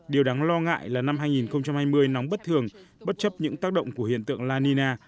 điều đáng lo ngại là năm hai nghìn hai mươi nóng bất thường bất chấp những tác động của hiện tượng la nina